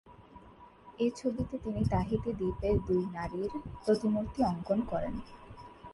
এ ছবিতে তিনি তাহিতি দ্বীপের দুই নারীর প্রতিমূর্তি অঙ্কন করেন।